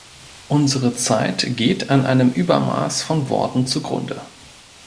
Unsere Zeit geht an einem Übermaß von Worten zugrunde.